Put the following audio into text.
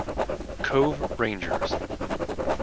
Cove Rangers